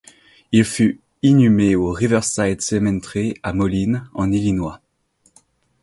Il fut inhumé au Riverside Cemetery à Moline, en Illinois.